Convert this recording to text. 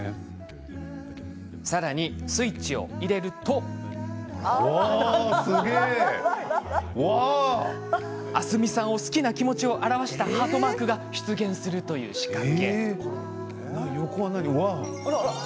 さらにスイッチを入れると明日海さんを好きな気持ちを表したハートマークが出現するという仕掛けも。